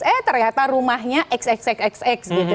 eh ternyata rumahnya xxxx gitu